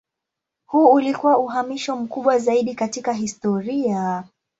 Huu ulikuwa uhamisho mkubwa zaidi katika historia.